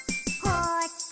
「こっち？」